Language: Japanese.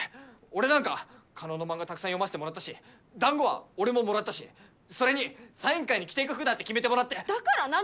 俺なんか叶の漫画たくさん読ましてもらったしだんごは俺ももらったしそれにサイン会に着ていく服だって決めてもらってだから何？